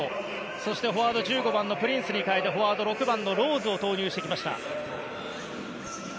そしてフォワード１５番のプリンスに代えてフォワード、６番のローズを投入してきました。